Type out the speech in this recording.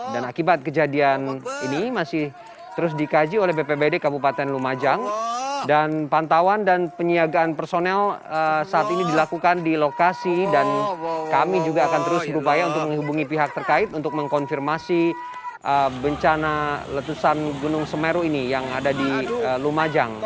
dan akibat kejadian ini masih terus dikaji oleh bpbd kabupaten lumajang dan pantauan dan penyiagaan personel saat ini dilakukan di lokasi dan kami juga akan terus berupaya untuk menghubungi pihak terkait untuk mengkonfirmasi bencana letusan gunung semeru ini yang ada di lumajang